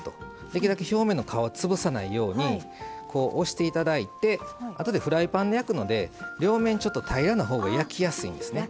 できるだけ表面の皮潰さないように押して頂いてあとでフライパンで焼くので両面平らなほうが焼きやすいんですね。